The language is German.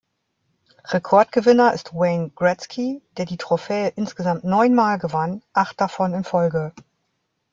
Rekordgewinner ist Wayne Gretzky, der die Trophäe insgesamt neunmal gewann, acht davon in Folge.